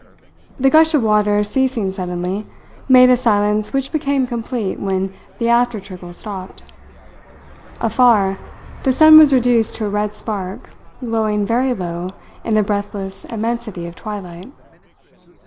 The gush of water ceasing suddenly, made a silence which became complete when the after trickle stopped. Afar, the sun was reduced to a red spark, glowing very low in the breathless immensity of twilight.